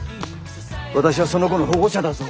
私はその子の保護者だぞ。